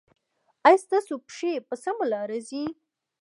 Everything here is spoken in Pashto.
ایا ستاسو پښې په سمه لار ځي؟